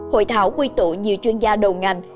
hội thảo quy tụ nhiều chuyên gia đầu ngành